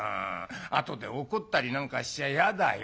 後で怒ったりなんかしちゃ嫌だよ」。